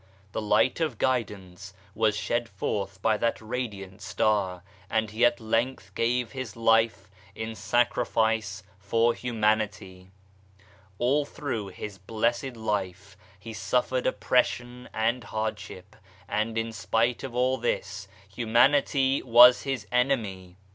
The Light of Guidance was shed forth by that radiant Star, and He at length gave His life in sacrifice for Humanity. All through His blessed life He suffered oppression and hardship, and in spite of all this Humanity was His enemy !